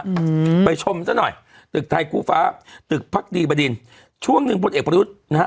อืมไปชมซะหน่อยตึกไทยคู่ฟ้าตึกพักดีบดินช่วงหนึ่งพลเอกประยุทธ์นะฮะ